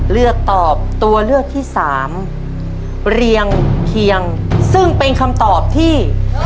เลือกตอบตัวเลือกที่สามเรียงเคียงซึ่งเป็นคำตอบที่